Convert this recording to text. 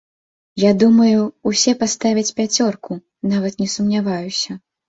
Я думаю, усе паставяць пяцёрку, нават не сумняваюся.